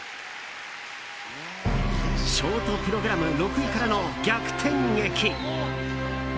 ショートプログラム６位からの逆転劇。